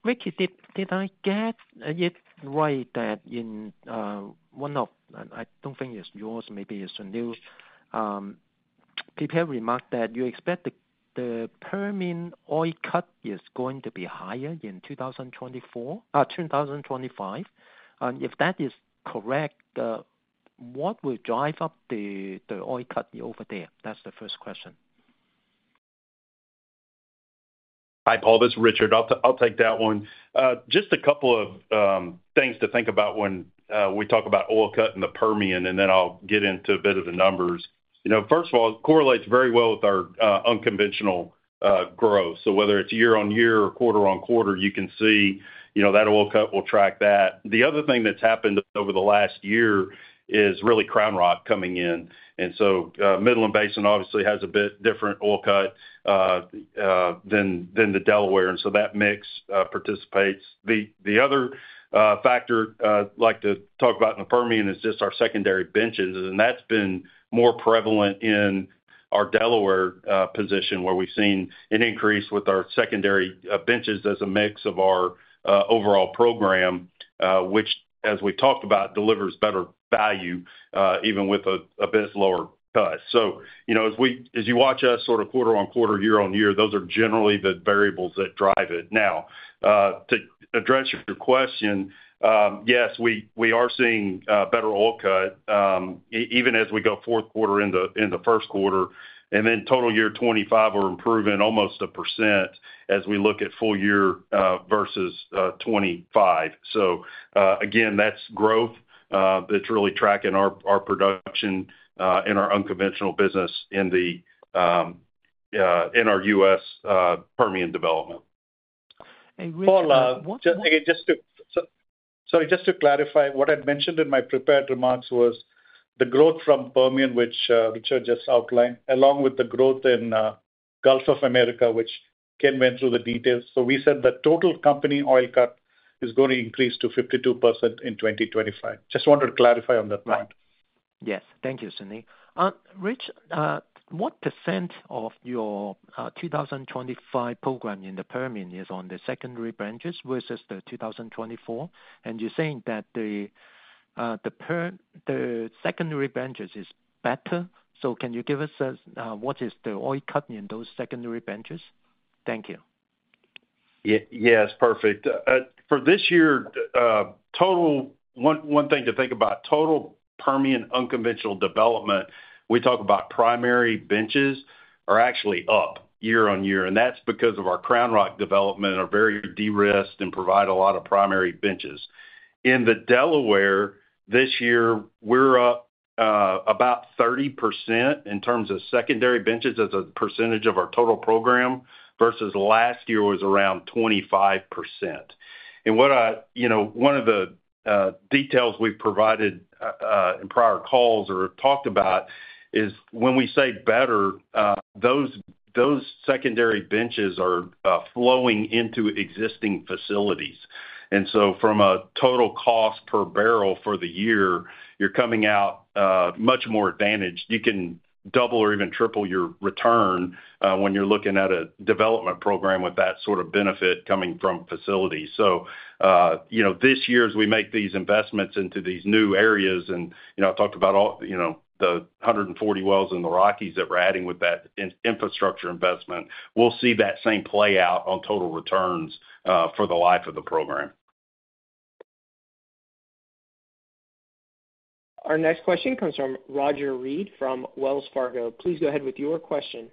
Vicki, did I get it right that in one of, I don't think it's yours, maybe it's a new PPL remark that you expect the Permian oil cut is going to be higher in 2025? If that is correct, what will drive up the oil cut over there? That's the first question. Hi, Paul. This is Richard. I'll take that one. Just a couple of things to think about when we talk about oil cut and the Permian, and then I'll get into a bit of the numbers. First of all, it correlates very well with our unconventional growth. So whether it's year on year or quarter on quarter, you can see that oil cut will track that. The other thing that's happened over the last year is really Crown Rock coming in, and so Midland Basin obviously has a bit different oil cut than the Delaware. And so that mix participates. The other factor I'd like to talk about in the Permian is just our secondary benches, and that's been more prevalent in our Delaware position where we've seen an increase with our secondary benches as a mix of our overall program, which, as we talked about, delivers better value even with a bit lower cut. So as you watch us sort of quarter on quarter, year on year, those are generally the variables that drive it. Now, to address your question, yes, we are seeing better oil cut even as we go fourth quarter into the first quarter. And then total year 2025 are improving almost 1% as we look at full year versus 2025. So again, that's growth that's really tracking our production in our unconventional business in our US Permian development. Paul, just to clarify, what I'd mentioned in my prepared remarks was the growth from Permian, which Richard just outlined, along with the growth in Gulf of America, which Ken went through the details. So we said the total company oil cut is going to increase to 52% in 2025. Just wanted to clarify on that point. Yes. Thank you, Sunil. Rich, what percent of your 2025 program in the Permian is on the secondary benches versus the 2024? And you're saying that the secondary benches is better. So can you give us what is the oil cut in those secondary benches? Thank you. Yes, perfect. For this year, one thing to think about, total Permian unconventional development, we talk about primary benches are actually up year on year. And that's because of our Crown Rock development are very de-risked and provide a lot of primary benches. In the Delaware, this year, we're up about 30% in terms of secondary benches as a percentage of our total program versus last year was around 25%. One of the details we've provided in prior calls or talked about is when we say better, those secondary benches are flowing into existing facilities. From a total cost per barrel for the year, you're coming out much more advantaged. You can double or even triple your return when you're looking at a development program with that sort of benefit coming from facilities. This year, as we make these investments into these new areas, and I talked about the 140 wells in the Rockies that we're adding with that infrastructure investment, we'll see that same play out on total returns for the life of the program. Our next question comes from Roger Read from Wells Fargo. Please go ahead with your question.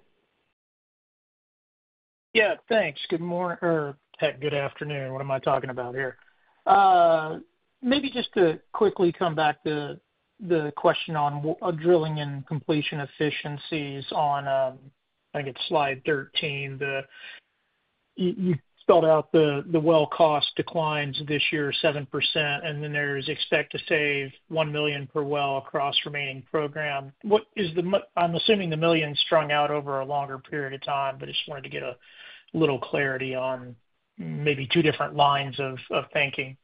Yeah, thanks. Good morning or good afternoon. What am I talking about here? Maybe just to quickly come back to the question on drilling and completion efficiencies on, I think it's slide 13, you spelled out the well cost declines this year 7%, and then there is expect to save $1 million per well across remaining program. I'm assuming the million strung out over a longer period of time, but just wanted to get a little clarity on maybe two different lines of thinking.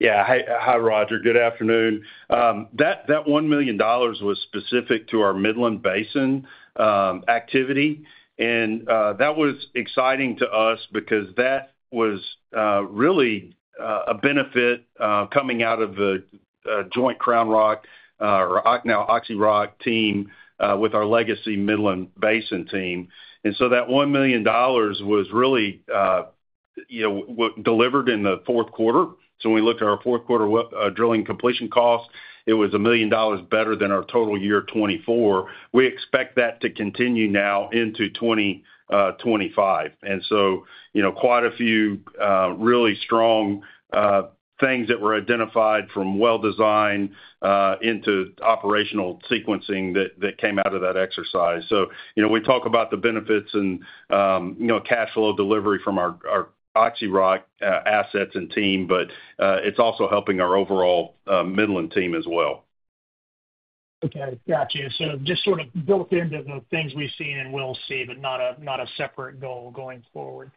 Yeah. Hi, Roger. Good afternoon. That $1 million was specific to our Midland Basin activity. And that was exciting to us because that was really a benefit coming out of the joint Crown Rock or now OxyRock team with our legacy Midland Basin team. And so that $1 million was really delivered in the fourth quarter. So when we looked at our fourth quarter drilling completion cost, it was $1 million better than our total year 2024. We expect that to continue now into 2025. And so quite a few really strong things that were identified from well design into operational sequencing that came out of that exercise. So we talk about the benefits and cash flow delivery from our OxyRock assets and team, but it's also helping our overall Midland team as well. Okay. Gotcha. So just sort of built into the things we've seen and we'll see, but not a separate goal going forward.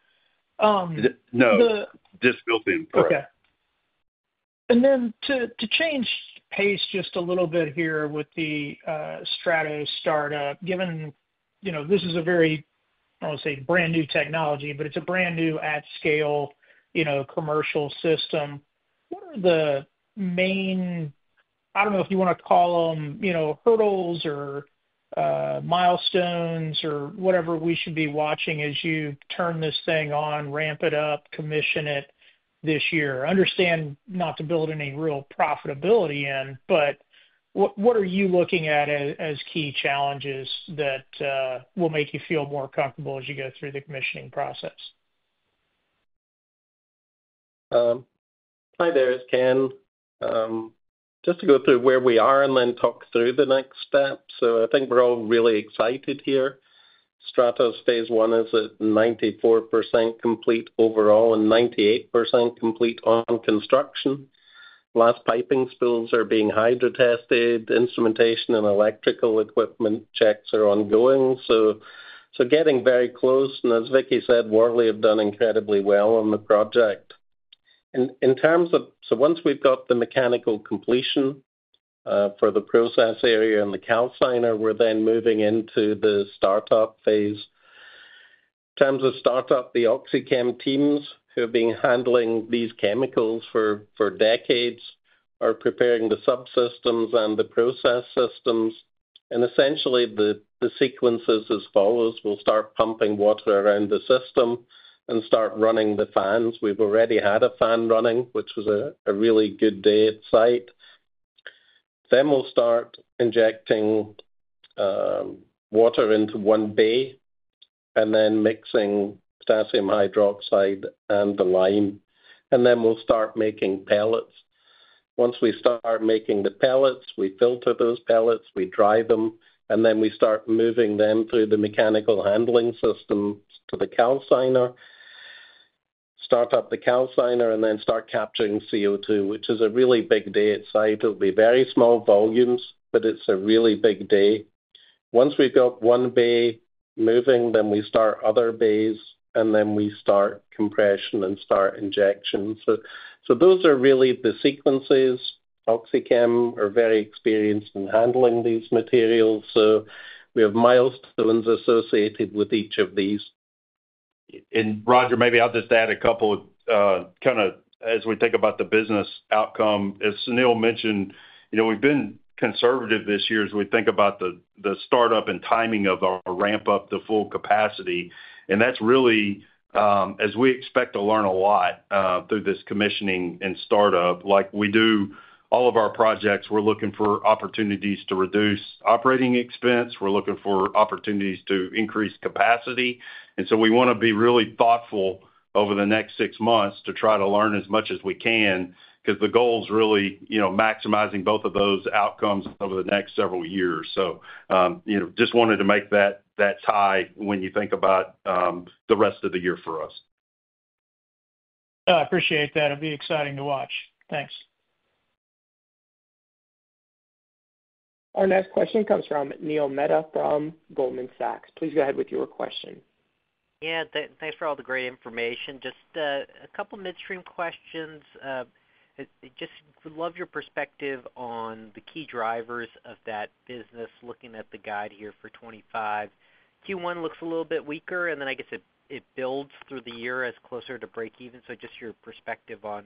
No. Just built in. Correct. Okay. And then to change pace just a little bit here with the STRATOS startup, given this is a very, I don't want to say brand new technology, but it's a brand new at-scale commercial system. What are the main-I don't know if you want to call them hurdles or milestones or whatever we should be watching as you turn this thing on, ramp it up, commission it this year? Understand not to build any real profitability in, but what are you looking at as key challenges that will make you feel more comfortable as you go through the commissioning process? Hi there. It's Ken. Just to go through where we are and then talk through the next steps. So I think we're all really excited here. STRATOS phase I is at 94% complete overall and 98% complete on construction. Last piping spools are being hydro tested. Instrumentation and electrical equipment checks are ongoing. So getting very close. And as Vicki said, Worley have done incredibly well on the project. In terms of once we've got the mechanical completion for the process area and the calciner, we're then moving into the startup phase. In terms of startup, the OxyChem teams who have been handling these chemicals for decades are preparing the subsystems and the process systems. Essentially, the sequence is as follows. We'll start pumping water around the system and start running the fans. We've already had a fan running, which was a really good day at site. We'll start injecting water into one bay and then mixing potassium hydroxide and the lime. We'll start making pellets. Once we start making the pellets, we filter those pellets, we dry them, and then we start moving them through the mechanical handling system to the calciner, start up the calciner, and then start capturing CO2, which is a really big day at site. It'll be very small volumes, but it's a really big day. Once we've got one bay moving, then we start other bays, and then we start compression and start injection. So those are really the sequences. OxyChem are very experienced in handling these materials. So we have milestones associated with each of these. And Roger, maybe I'll just add a couple of kind of as we think about the business outcome. As Sunil mentioned, we've been conservative this year as we think about the startup and timing of our ramp up to full capacity. And that's really as we expect to learn a lot through this commissioning and startup. Like we do all of our projects, we're looking for opportunities to reduce operating expense. We're looking for opportunities to increase capacity. And so we want to be really thoughtful over the next six months to try to learn as much as we can because the goal is really maximizing both of those outcomes over the next several years. So just wanted to make that tie when you think about the rest of the year for us. I appreciate that. It'll be exciting to watch. Thanks. Our next question comes from Neil Mehta from Goldman Sachs. Please go ahead with your question. Yeah. Thanks for all the great information. Just a couple of midstream questions. Just would love your perspective on the key drivers of that business looking at the guide here for 2025. Q1 looks a little bit weaker, and then I guess it builds through the year as closer to breakeven. So just your perspective on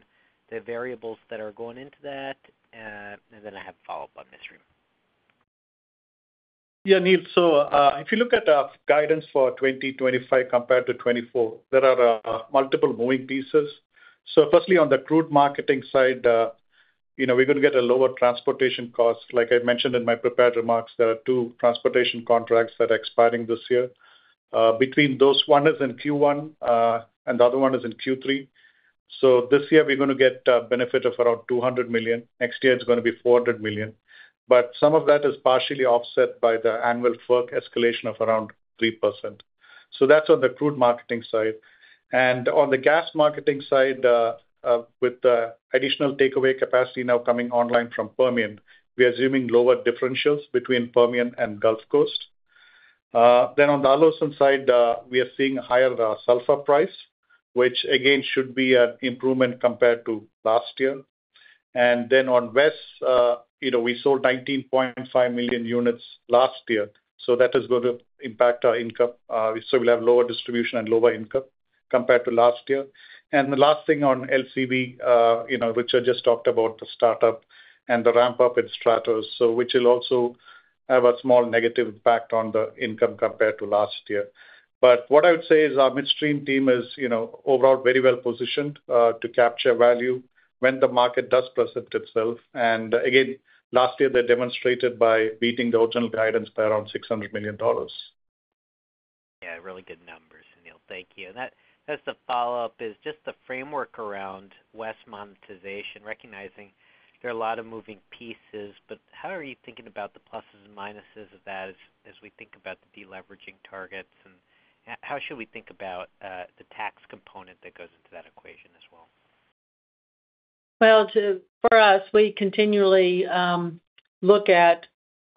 the variables that are going into that. And then I have a follow-up on this stream. Yeah, Neil. So if you look at our guidance for 2025 compared to 2024, there are multiple moving pieces. So firstly, on the crude marketing side, we're going to get a lower transportation cost. Like I mentioned in my prepared remarks, there are two transportation contracts that are expiring this year. Between those, one is in Q1, and the other one is in Q3. So this year, we're going to get a benefit of around $200 million. Next year, it's going to be $400 million. But some of that is partially offset by the annual FERC escalation of around 3%. So that's on the crude marketing side. And on the gas marketing side, with the additional takeaway capacity now coming online from Permian, we are assuming lower differentials between Permian and Gulf Coast. Then on the other side, we are seeing a higher sulfur price, which again should be an improvement compared to last year. And then on WES, we sold 19.5 million units last year. So that is going to impact our income. So we'll have lower distribution and lower income compared to last year. And the last thing on LCV, Richard just talked about the startup and the ramp up in STRATOS, which will also have a small negative impact on the income compared to last year. But what I would say is our midstream team is overall very well positioned to capture value when the market does present itself. And again, last year, they demonstrated by beating the original guidance by around $600 million. Yeah. Really good numbers, Sunil. Thank you. That's the follow-up is just the framework around WES monetization, recognizing there are a lot of moving pieces. But how are you thinking about the pluses and minuses of that as we think about the deleveraging targets? And how should we think about the tax component that goes into that equation as well? Well, for us, we continually look at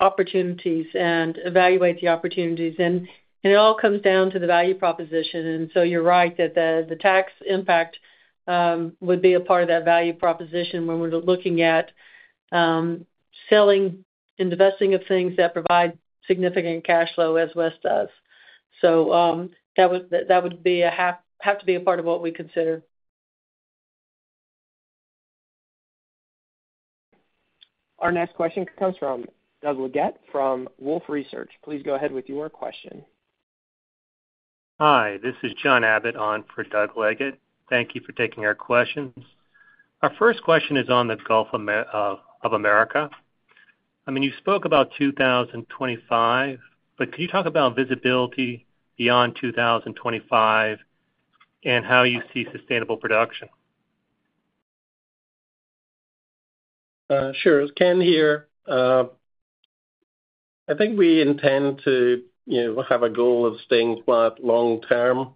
opportunities and evaluate the opportunities. And it all comes down to the value proposition. And so you're right that the tax impact would be a part of that value proposition when we're looking at selling and divesting of things that provide significant cash flow as WES does. So that would have to be a part of what we consider. Our next question comes from Doug Leggett from Wolfe Research. Please go ahead with your question. Hi. This is John Abbott on for Doug Leggett. Thank you for taking our questions. Our first question is on the Gulf of America. I mean, you spoke about 2025, but could you talk about visibility beyond 2025 and how you see sustainable production? Sure. Ken here. I think we intend to have a goal of staying quite long-term.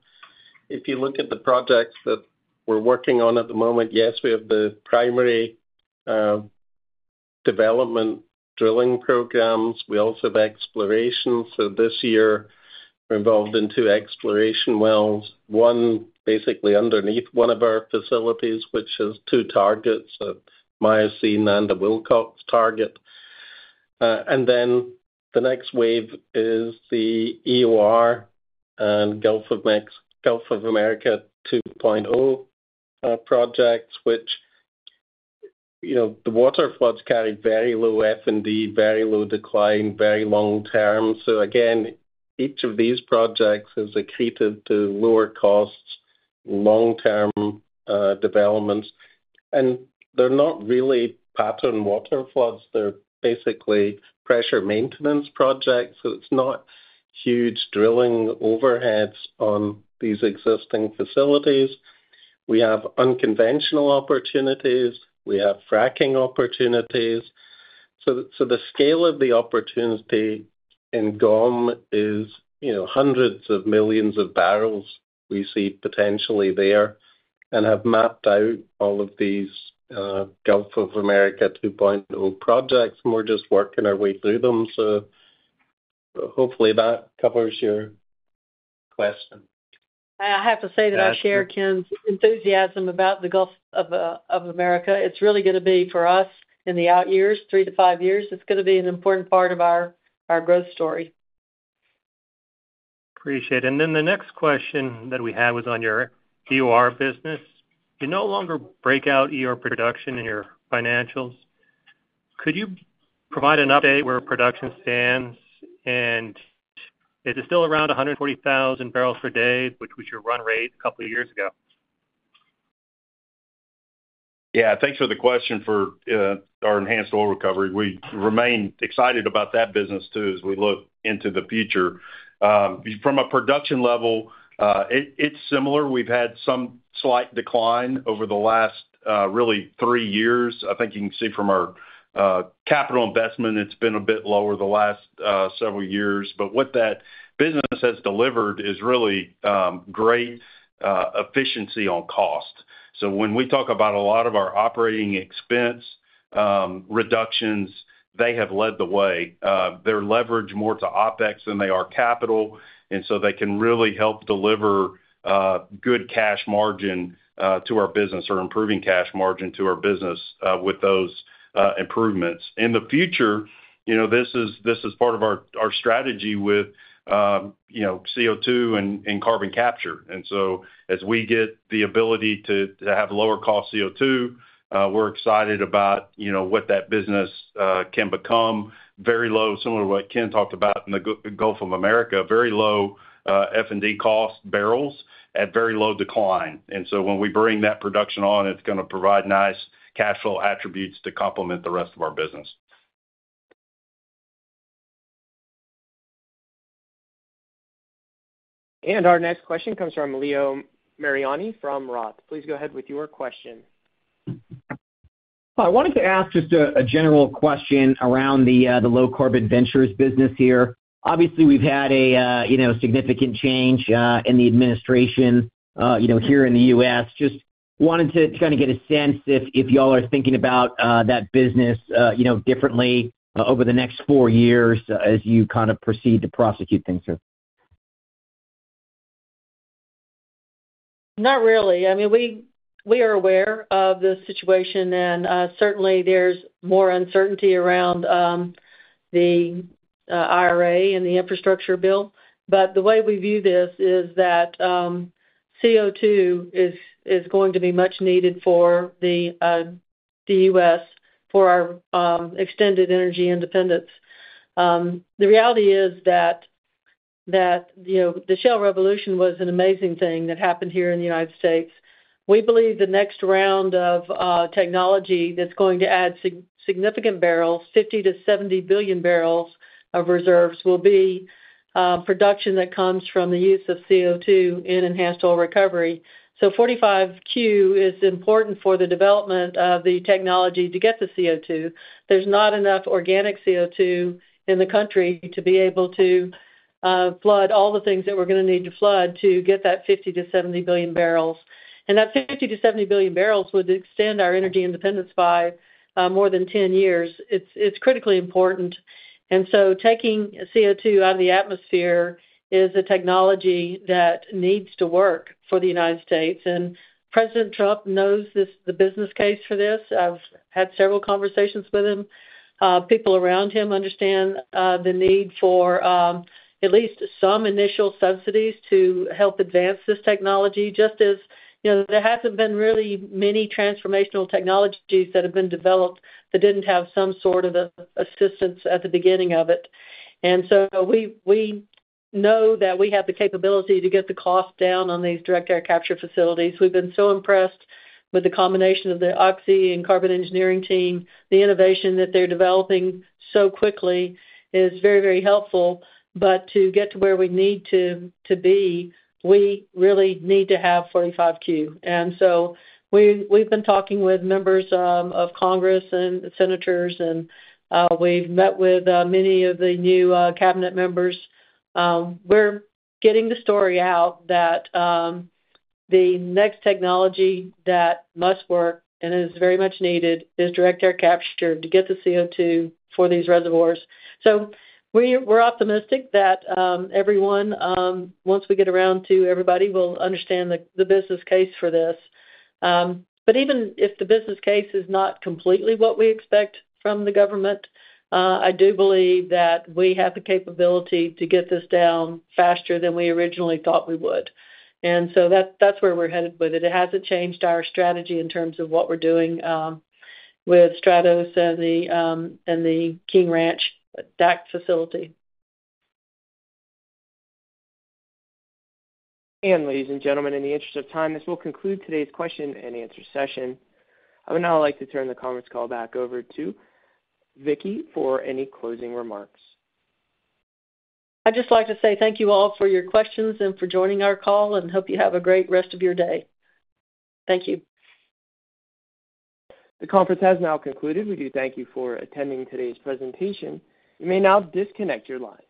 If you look at the projects that we're working on at the moment, yes, we have the primary development drilling programs. We also have exploration. So this year, we're involved in two exploration wells, one basically underneath one of our facilities, which is two targets: Miocene and the Wilcox target. And then the next wave is the EOR and Gulf of America 2.0 projects, which the water floods carry very low F&D, very low decline, very long-term. So again, each of these projects is accretive to lower costs, long-term developments. And they're not really pattern water floods. They're basically pressure maintenance projects. So it's not huge drilling overheads on these existing facilities. We have unconventional opportunities. We have fracking opportunities. So the scale of the opportunity in GOM is hundreds of millions of barrels we see potentially there and have mapped out all of these Gulf of America 2.0 projects. And we're just working our way through them. So hopefully that covers your question. I have to say that I share Ken's enthusiasm about the Gulf of America. It's really going to be for us in the out years, three to five years. It's going to be an important part of our growth story. Appreciate it. And then the next question that we had was on your EOR business. You no longer break out EOR production in your financials. Could you provide an update where production stands? And is it still around 140,000 barrels per day, which was your run rate a couple of years ago? Yeah. Thanks for the question for our enhanced oil recovery. We remain excited about that business too as we look into the future. From a production level, it's similar. We've had some slight decline over the last really three years. I think you can see from our capital investment, it's been a bit lower the last several years. But what that business has delivered is really great efficiency on cost. So when we talk about a lot of our operating expense reductions, they have led the way. They're leveraged more to OpEx than they are capital. And so they can really help deliver good cash margin to our business or improving cash margin to our business with those improvements. In the future, this is part of our strategy with CO2 and carbon capture. And so as we get the ability to have lower cost CO2, we're excited about what that business can become. Very low, similar to what Ken talked about in the Gulf of America, very low F&D cost barrels at very low decline. And so when we bring that production on, it's going to provide nice cash flow attributes to complement the rest of our business. And our next question comes from Leo Mariani from Roth. Please go ahead with your question. I wanted to ask just a general question around the low carbon ventures business here. Obviously, we've had a significant change in the administration here in the U.S. Just wanted to kind of get a sense if y'all are thinking about that business differently over the next four years as you kind of proceed to prosecute things through. Not really. I mean, we are aware of the situation. Certainly, there's more uncertainty around the IRA and the infrastructure bill. But the way we view this is that CO2 is going to be much needed for the U.S. for our extended energy independence. The reality is that the shale revolution was an amazing thing that happened here in the United States. We believe the next round of technology that's going to add significant barrels, 50 billion-70 billion barrels of reserves, will be production that comes from the use of CO2 in enhanced oil recovery. So 45Q is important for the development of the technology to get the CO2. There's not enough organic CO2 in the country to be able to flood all the things that we're going to need to flood to get that 50 billion-70 billion barrels. That 50 billion-70 billion barrels would extend our energy independence by more than 10 years. It's critically important. And so taking CO2 out of the atmosphere is a technology that needs to work for the United States. And President Trump knows the business case for this. I've had several conversations with him. People around him understand the need for at least some initial subsidies to help advance this technology, just as there hasn't been really many transformational technologies that have been developed that didn't have some sort of assistance at the beginning of it. And so we know that we have the capability to get the cost down on these direct air capture facilities. We've been so impressed with the combination of the Oxy and Carbon Engineering team. The innovation that they're developing so quickly is very, very helpful. But to get to where we need to be, we really need to have 45Q. And so we've been talking with members of Congress and senators, and we've met with many of the new cabinet members. We're getting the story out that the next technology that must work and is very much needed is direct air capture to get the CO2 for these reservoirs. So we're optimistic that everyone, once we get around to everybody, will understand the business case for this. But even if the business case is not completely what we expect from the government, I do believe that we have the capability to get this down faster than we originally thought we would. And so that's where we're headed with it. It hasn't changed our strategy in terms of what we're doing with STRATOS and the King Ranch DAC facility. And ladies and gentlemen, in the interest of time, this will conclude today's question-and-answer session. I would now like to turn the conference call back over to Vicki for any closing remarks. I'd just like to say thank you all for your questions and for joining our call, and hope you have a great rest of your day. Thank you. The conference has now concluded. We do thank you for attending today's presentation. You may now disconnect your line.